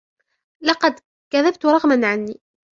لقد كذبت رغما عني.